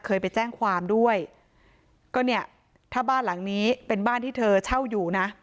เคยไปแจ้งความด้วยก็เนี่ยถ้าบ้านหลังนี้เป็นบ้านที่เธอเช่าอยู่นะ